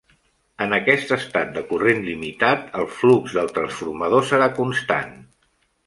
En aquest estat de corrent limitat, el flux del transformador serà constant.